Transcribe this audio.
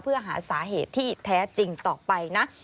เพื่อหาสาเหตุที่แท้จริงต่อไปนะ